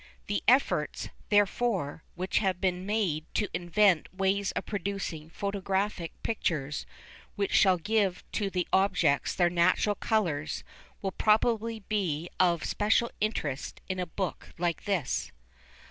The efforts, therefore, which have been made to invent ways of producing photographic pictures which shall give to the objects their natural colours, will probably be of special interest in a book like this.